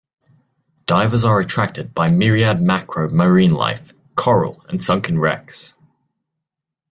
Divers are attracted by myriad macro marine life, coral and sunken wrecks.